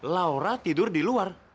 laura tidur di luar